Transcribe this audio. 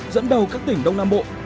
dẫn đầu các tỉnh đông nam bộ